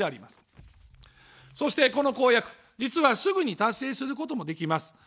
そして、この公約、実は、すぐに達成することもできます。